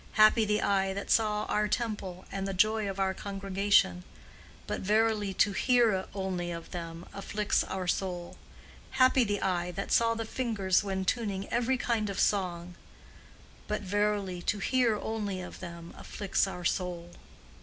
Happy the eye that saw our temple and the joy of our congregation; but verily to hear only of them afflicts our soul. Happy the eye that saw the fingers when tuning every kind of song; but verily to hear only of them afflicts our soul."